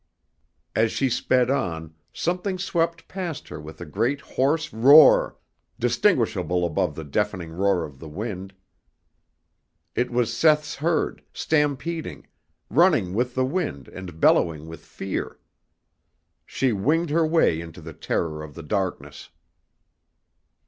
As she sped on, something swept past her with a great hoarse roar, distinguishable above the deafening roar of the wind. It was Seth's herd, stampeding, running with the wind and bellowing with fear. She winged her way into the terror of the darkness.